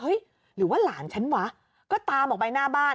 หรือว่าหลานฉันวะก็ตามออกไปหน้าบ้าน